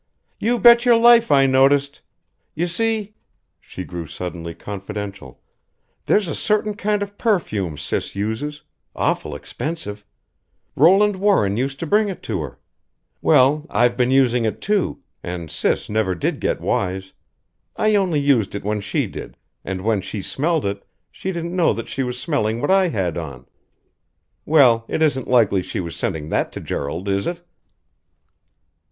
"You bet your life, I noticed. You see," she grew suddenly confidential. "There's a certain kind of perfume Sis uses awful expensive. Roland Warren used to bring it to her. Well, I've been using it too and Sis never did get wise. I only used it when she did and when she smelled it, she didn't know that she was smelling what I had on. Well, it isn't likely she was sending that to Gerald, is it?"